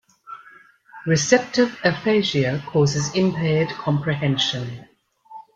Receptive aphasia causes impaired comprehension.